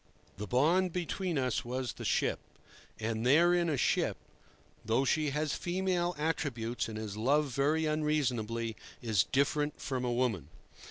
The bond between us was the ship; and therein a ship, though she has female attributes and is loved very unreasonably, is different from a woman.